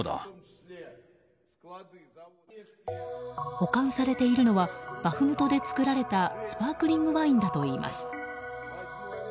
保管されているのはバフムトで作られたスパークリングワインだといいます。